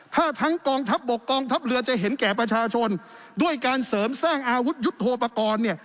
ถ้าทั้งกองทัพบกกองทัพเรือจะเห็นแก่ประชาชนด้วยการเสริมสร้างอาวุธยุทธโปรกรณ์เนี่ย